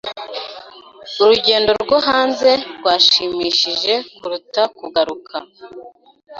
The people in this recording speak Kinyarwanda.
Urugendo rwo hanze rwashimishije kuruta kugaruka. (_kuyobora)